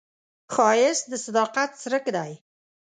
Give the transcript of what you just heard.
ښایست د صداقت څرک دی